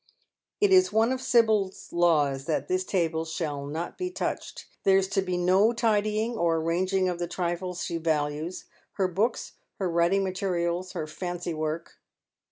It is one of Sibyl's laws that this table shall not be touched. There is to be no tidying or arranging of the trifles she values — her books, her writing materials, her fancy work.